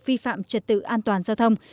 vi phạm trật tự an toàn giao thông